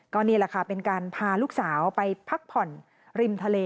ก็นี่แหละค่ะเป็นการพาลูกสาวไปพักผ่อนริมทะเล